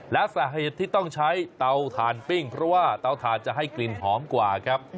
และสาเหตุที่ต้องใช้เตาถ่านปิ้งเพราะว่าเตาถ่านจะให้กลิ่นหอมกว่าครับ